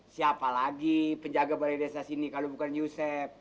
siapa lagi penjaga balai desa sini kalau bukan yusef